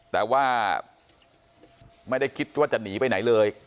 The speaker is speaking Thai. แต่ว่าไม่ได้คิดว่าจะหนีไปไหนเลย